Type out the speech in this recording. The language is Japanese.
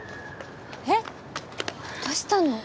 えっどうしたの？